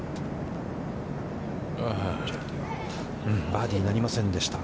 バーディーなりませんでした。